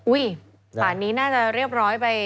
ป่านนี้น่าจะเรียบร้อยไป